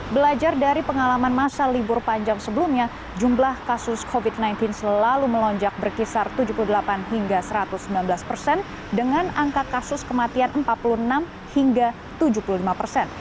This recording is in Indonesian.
belajar dari pengalaman masa libur panjang sebelumnya jumlah kasus covid sembilan belas selalu melonjak berkisar tujuh puluh delapan hingga satu ratus sembilan belas persen dengan angka kasus kematian empat puluh enam hingga tujuh puluh lima persen